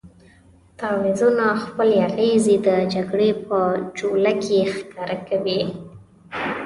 تعویضونه خپلې اغېزې د جګړې په جوله کې ښکاره کوي.